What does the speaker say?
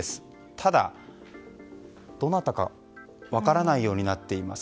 ただ、どなたか分からないようになっています。